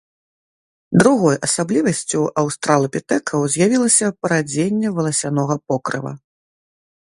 Другой асаблівасцю аўстралапітэкаў з'явілася парадзенне валасянога покрыва.